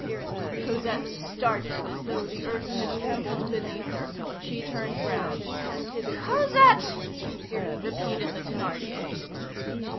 Cosette started as though the earth had trembled beneath her; she turned round. "Cosette!" repeated the Thénardier.